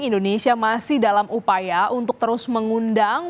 indonesia masih dalam upaya untuk terus mengundang